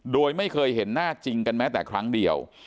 โดยไม่เคยเห็นหน้าจริงกันแม้แต่ครั้งเดียว